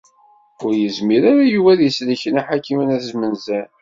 Ur yezmir ara Yuba ad isellek Nna Ḥakima n At Zmenzer.